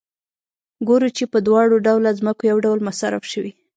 ګورو چې په دواړه ډوله ځمکو یو ډول مصارف شوي